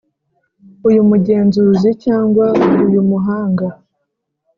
Iy umugenzuzi cyangwa iy umuhanga